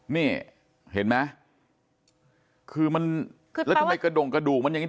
นี่เห็นไหมคือมันแล้วทำไมกระดงกระดูกมันอย่างนี้